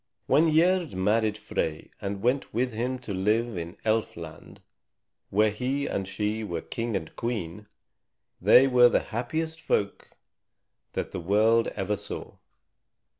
When Gerd married Frey and went with him to live in Elf Land, where he and she were king and queen, they were the happiest folk that the world ever saw.